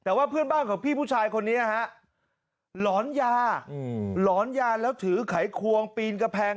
แจ้งเลยแจ้งตำรวจมาเลย